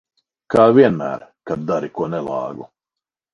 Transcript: Kā vienmēr, kad dari ko nelāgu.